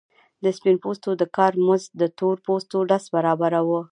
د سپین پوستو د کار مزد د تور پوستو لس برابره وو